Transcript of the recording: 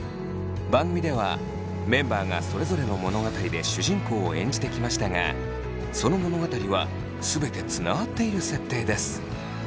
番組ではメンバーがそれぞれの物語で主人公を演じてきましたがその物語は全てつながっている設定です。